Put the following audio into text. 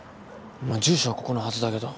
住所はここのはずだけど。